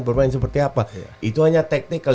bermain seperti apa itu hanya teknikal